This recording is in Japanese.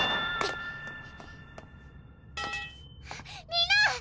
みんな！